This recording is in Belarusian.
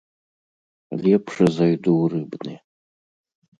Лепш зайду ў рыбны.